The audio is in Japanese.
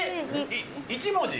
１文字。